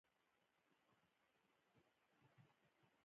د نجونو تعلیم د بشري حقونو یوه برخه ده.